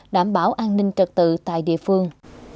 đảm bảo an ninh trật tự tại địa phương